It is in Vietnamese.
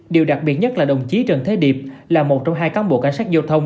điều đặc biệt nhất là đồng chí trần thế điệp là một trong hai cán bộ cảnh sát giao thông